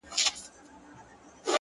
داسي په ماښام سترگي راواړوه؛